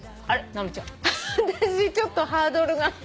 私ちょっとハードルが。